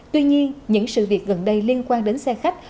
tuy nhiên những sự việc gần đây liên quan đến xe khách